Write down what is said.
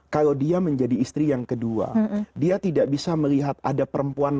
kalau dia menjadi istri yang kedua dia tidak bisa melihat ada perempuan